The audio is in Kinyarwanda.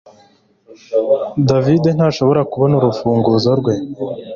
David ntashobora kubona urufunguzo rwe